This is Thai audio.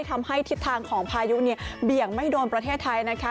ทำให้ทิศทางของพายุเนี่ยเบี่ยงไม่โดนประเทศไทยนะคะ